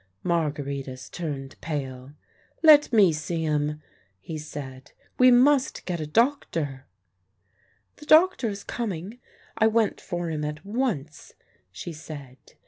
Margaritis turned pale. "Let me see him," he said. "We must get a doctor." "The doctor is coming: I went for him at once," she said.